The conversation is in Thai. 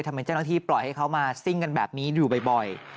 ทำไมเจ้าหน้าที่ปล่อยให้เขามาซิ่งกันแบบนี้อยู่บ่อย